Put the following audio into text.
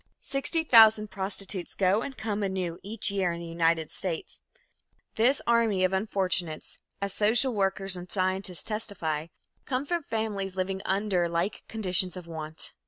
Sixty thousand prostitutes go and come anew each year in the United States. This army of unfortunates, as social workers and scientists testify, come from families living under like conditions of want.